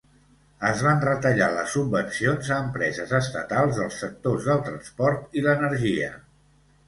Es van retallar les subvencions a empreses estatals del sectors del transport i l'energia.